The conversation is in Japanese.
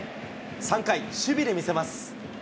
３回、守備で見せます。